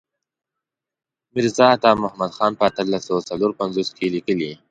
میرزا عطا محمد خان په اتلس سوه څلور پنځوس کې لیکلی.